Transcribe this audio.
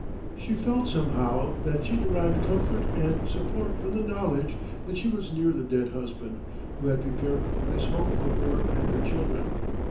She felt somehow that she derived comfort and support from the knowledge that she was near the dead husband, who had prepared this home for her and her children.